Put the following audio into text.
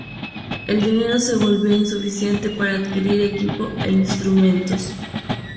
El dinero se volvía insuficiente para adquirir equipo e instrumentos.